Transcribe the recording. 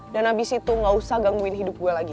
dan abis itu gak usah gangguin hidup gue lagi